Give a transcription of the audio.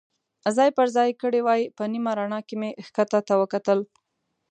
ځای پر ځای کړي وای، په نیمه رڼا کې مې کښته ته وکتل.